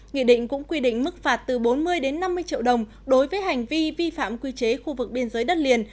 nghị định cũng quy định mức phạt từ bốn mươi đến năm mươi triệu đồng đối với hành vi vi phạm quy chế khu vực biên giới đất liền